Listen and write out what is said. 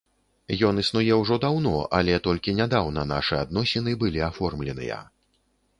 Ён існуе ўжо даўно, але толькі нядаўна нашы адносіны былі аформленыя.